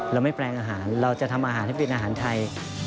เราไม่แปลงอาหารเราจะทำอาหารให้เป็นอาหารไทย